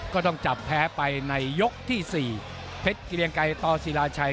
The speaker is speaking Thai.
ก็ต้องจับแพ้ไปในยกที่๔เพชรเกียงไกรต่อศิลาชัย